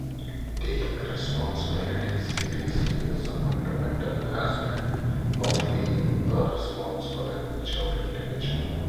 Taking responsibilities seriously is a fundamental aspect of being a responsible and mature individual.